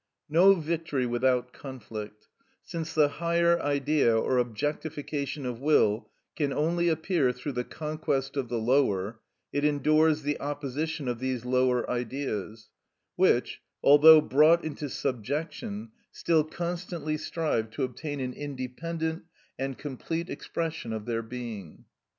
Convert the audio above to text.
No victory without conflict: since the higher Idea or objectification of will can only appear through the conquest of the lower, it endures the opposition of these lower Ideas, which, although brought into subjection, still constantly strive to obtain an independent and complete expression of their being.